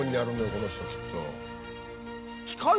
この人きっと。